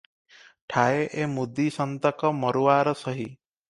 ଠାଏ ଏ ମୁଦି ସନ୍ତକ ମରୁଆର ସହି ।